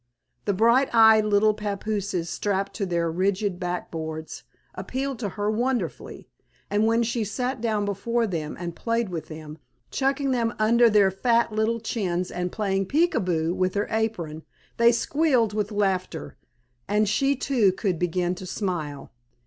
The bright eyed little papooses strapped to their rigid back boards appealed to her wonderfully, and when she sat down before them and played with them, chucking them under their fat little chins and playing "peek a boo" with her apron, they squealed with laughter, and she too could begin to smile.